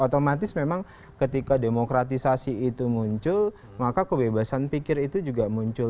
otomatis memang ketika demokratisasi itu muncul maka kebebasan pikir itu juga muncul